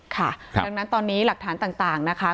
ค่ะดังนั้นตอนนี้หลักฐานต่างนะคะ